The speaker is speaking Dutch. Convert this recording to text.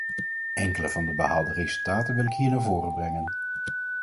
Enkele van de behaalde resultaten wil ik hier naar voren brengen.